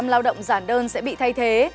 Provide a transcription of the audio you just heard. tám mươi sáu lao động giản đơn sẽ bị thay thế